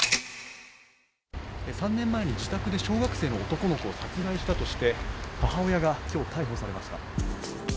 ３年前に自宅で小学生の男の子を殺害したとして母親が今日、逮捕されました。